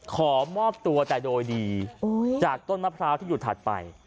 ขอมอบตัวแต่โดยดีจากต้นมะพร้าวที่อยู่ถัดไป